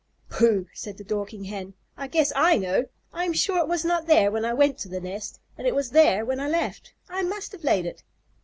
"Pooh!" said the Dorking Hen. "I guess I know! I am sure it was not there when I went to the nest and it was there when I left. I must have laid it."